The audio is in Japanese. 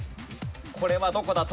これはどこだ？